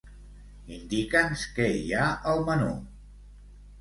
Indica'ns què hi ha al menú.